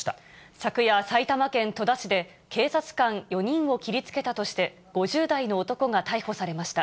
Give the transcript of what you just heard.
昨夜、埼玉県戸田市で警察官４人を切りつけたとして、５０代の男が逮捕されました。